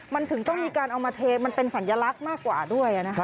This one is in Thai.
มันถึงต้องมีการเอามาเทมันเป็นสัญลักษณ์มากกว่าด้วย